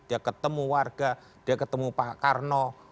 dia ketemu warga dia ketemu pak karno